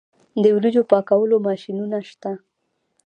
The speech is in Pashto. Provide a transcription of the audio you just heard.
د وریجو پاکولو ماشینونه شته